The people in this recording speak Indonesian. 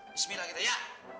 bismillah kita ya